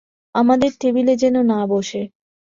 আমাদের টেবিলে যেন না বসে।